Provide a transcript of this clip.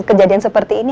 kejadian seperti ini